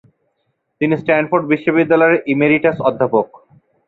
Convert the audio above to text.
তিনি স্ট্যানফোর্ড বিশ্ববিদ্যালয়ের ইমেরিটাস অধ্যাপক।